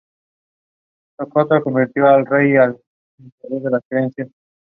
Inicialmente, el área que rodeaba al Reino de Kandy, que era un protectorado.